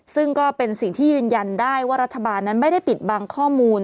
ซึ่งก็เป็นสิ่งที่ยืนยันได้ว่ารัฐบาลนั้นไม่ได้ปิดบังข้อมูล